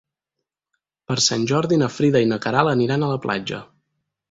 Per Sant Jordi na Frida i na Queralt aniran a la platja.